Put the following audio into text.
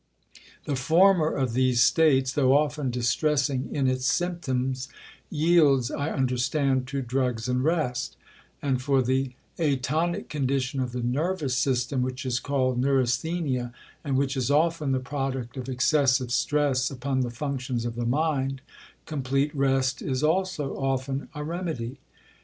The former of these states, though often distressing in its symptoms, yields, I understand, to drugs and rest; and for the atonic condition of the nervous system, which is called neurasthenia, and which is often the product of excessive stress upon the functions of the mind, complete rest is also often a remedy.